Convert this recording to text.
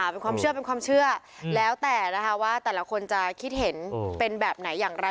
เป็นความเชื่อแล้วแต่นะคะว่าแต่ละคนจะคิดเห็นเป็นแบบไหนอย่างไร